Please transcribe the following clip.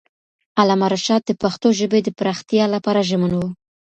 علامه رشاد د پښتو ژبې د پراختیا لپاره ژمن وو.